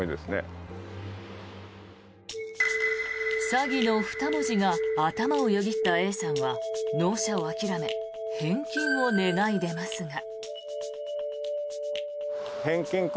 詐欺の２文字が頭をよぎったＡさんは納車を諦め返金を願い出ますが。